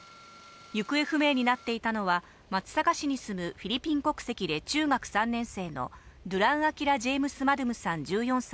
行方不明になっていたのは、松阪市に住むフィリピン国籍で、中学３年生のドゥラン・アキラ・ジェームス・マドゥムさん１４歳